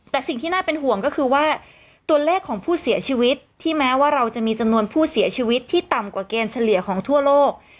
แต่สิ่งที่น่าเป็นห่วงก็คือว่าตัวเลขของผู้เสียชีวิตที่แม้ว่าเราจะมีจำนวนผู้เสียชีวิตที่ต่ำกว่าเกณฑ์เฉลี่ยของทั่วโลก